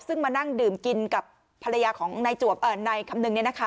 ซึ่งมานั่งดื่มกินกับภรรยาของนายคำนึง